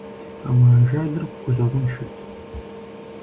Ауэ ажалыр гущӀэгъуншэт…